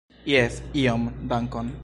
Jes, iom, dankon.